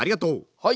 はい！